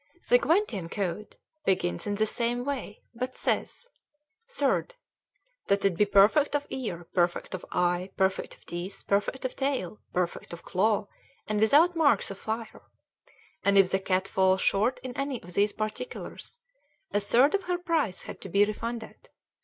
The "Gwentian Code" begins in the same way, but says: 3d. That it be perfect of ear, perfect of eye, perfect of teeth, perfect of tail, perfect of claw, and without marks of fire. And if the cat fall short in any of these particulars, a third of her price had to be refunded.